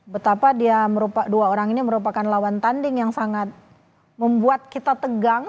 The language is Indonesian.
betapa dia dua orang ini merupakan lawan tanding yang sangat membuat kita tegang